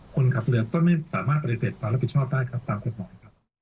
คนขับเรือก็ไม่สามารถปฏิเสธวารับผิดชอบได้ตามกฎหมอย